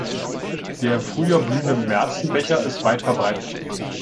Der im Frühjahr blühende Märzenbecher ist weit verbreitet.